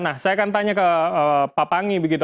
nah saya akan tanya ke pak panggi begitu